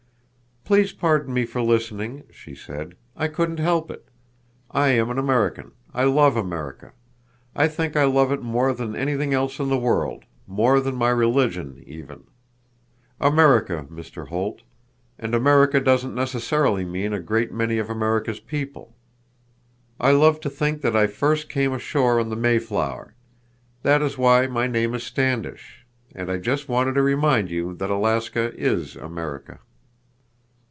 "Please pardon me for listening," she said. "I couldn't help it. I am an American. I love America. I think I love it more than anything else in the world—more than my religion, even. America, Mr. Holt. And America doesn't necessarily mean a great many of America's people. I love to think that I first came ashore in the Mayflower. That is why my name is Standish. And I just wanted to remind you that Alaska is America."